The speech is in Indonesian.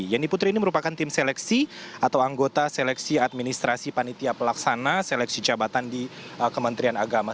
yeni putri ini merupakan tim seleksi atau anggota seleksi administrasi panitia pelaksana seleksi jabatan di kementerian agama